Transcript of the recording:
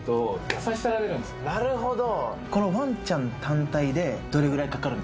なるほど！